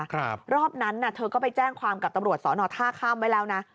รอบนั้นน่ะเธอก็ไปแจ้งความกับตำรวจสอนอท่าข้ามไว้แล้วนะ